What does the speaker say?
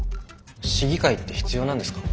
市議会って必要なんですか？